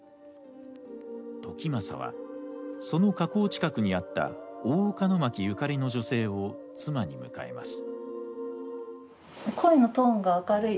時政はその河口近くにあった大岡の牧ゆかりの女性を妻に迎えます。